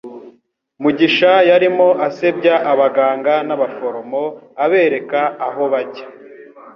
Mugisha yarimo asebya abaganga n'abaforomo, abereka aho bajya